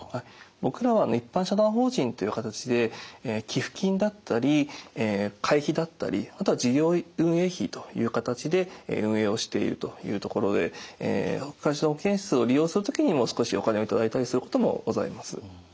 僕らは一般社団法人という形で寄付金だったり会費だったりあとは事業運営費という形で運営をしているというところで「暮らしの保健室」を利用する時にも少しお金を頂いたりすることもございます。